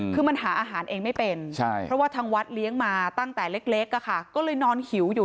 คือมันหาอาหารเองไม่เป็นเพราะว่าทางวัดเลี้ยงมาตั้งแต่เล็กก็เลยนอนหิวอยู่